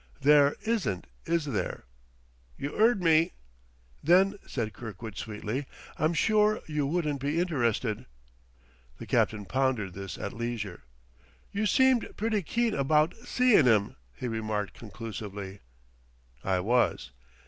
"There isn't, is there?" "You 'eard me." "Then," said Kirkwood sweetly, "I'm sure you wouldn't be interested." The captain pondered this at leisure. "You seemed pretty keen abaht seein' 'im," he remarked conclusively. "I was."